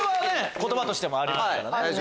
言葉としてもありますからね。